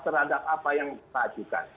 terhadap apa yang kita ajukan